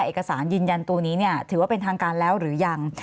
เอกสารยืนยันตัวนี้ถือว่าเป็นทางการแล้วหรือยัง